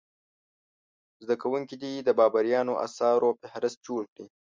زده کوونکي دې د بابریانو اثارو فهرست جوړ کړي.